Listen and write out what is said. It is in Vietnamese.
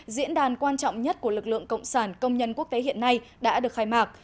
diễn đàn quan trọng nhất của lực lượng cộng sản công nhân quốc tế hiện nay đã được khai mạc